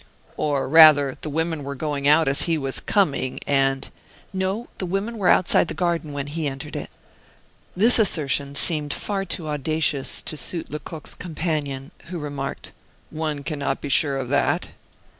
"Or rather, the women were going out as he was coming, and " "No, the women were outside the garden when he entered it." This assertion seemed far too audacious to suit Lecoq's companion, who remarked: "One can not be sure of that."